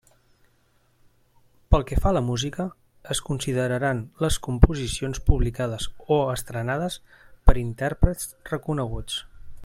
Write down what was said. Pel que fa a la música, es consideraran les composicions publicades o estrenades per intèrprets reconeguts.